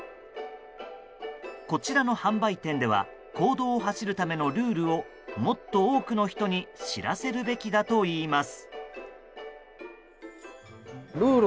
こちらの販売店では公道を走るためのルールをもっと多くの人に知らせるべきだといいます。